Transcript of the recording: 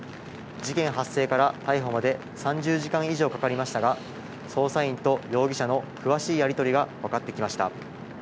事件発生から逮捕まで３０時間以上かかりましたが、捜査員と容疑者の詳しいやり取りが分かってきました。